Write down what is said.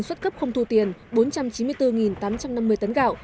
xuất cấp không thu tiền bốn trăm chín mươi bốn tám trăm năm mươi tấn gạo